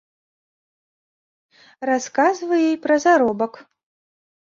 Расказвае і пра заробак.